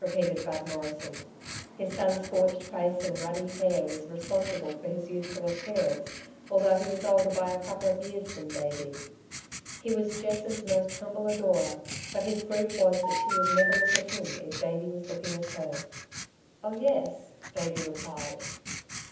repeated Bud Morrison. His sun scorched face and ruddy hair was responsible for his youthful appearance although he was older by a couple of years than Davey. He was Jess's most humble adorer, but his grief was that she would never look at him if Davey was looking at her. "Oh, yes," Davey replied.